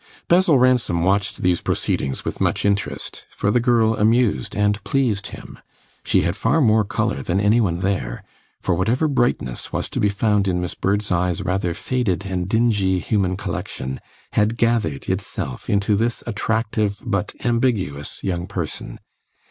Basil Ransom watched these proceedings with much interest, for the girl amused and pleased him. She had far more colour than any one there, for whatever brightness was to be found in Miss Birdseye's rather faded and dingy human collection had gathered itself into this attractive but ambiguous young person.